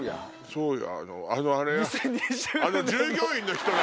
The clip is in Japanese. そうよ。